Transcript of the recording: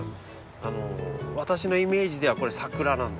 私のイメージではこれ桜なんです。